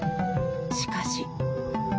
しかし。